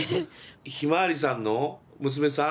ひまわりさんの娘さん？